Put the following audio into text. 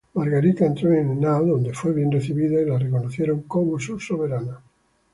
Margarita entró en Henao donde fue bien recibida y la reconocieron como su soberana.